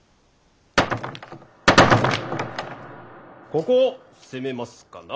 ここを攻めますかな。